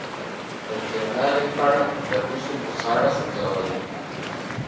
د کرهالې خړ د بوسو بوساړه سوځولې